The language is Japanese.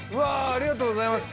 ありがとうございます。